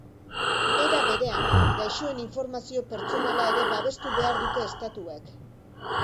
Era berean, gaixoen informazio pertsonala ere babestu behar dute estatuek.